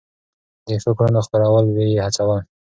د ښو کړنو خپرول يې هڅول.